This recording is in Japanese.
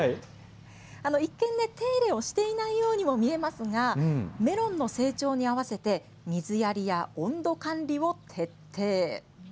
一見ね、手入れをしていないようにも見えますが、メロンの成長に合わせて、水やりや温度管理を徹底。